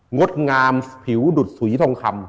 งดงามผิวดุดสุยทองคำ